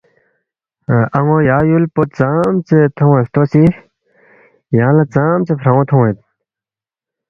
”ان٘و یا یُول پو ژامژے تھون٘نگ ہلتوسی، یانگ لہ ژامژے فران٘و تھون٘نگ؟“